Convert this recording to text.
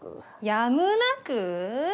やむなく？